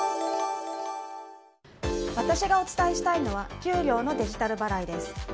私がお伝えしたいのは給料のデジタル払いです。